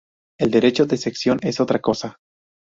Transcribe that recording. El derecho de secesión es otra cosa.